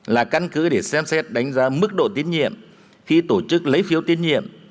là căn cứ để xem xét đánh giá mức độ tiến nhiệm khi tổ chức lấy phiếu tiến nhiệm